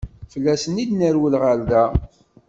Fell-asen i d-nerwel ɣer da.